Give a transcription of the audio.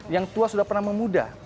yang tua sudah pernah memuda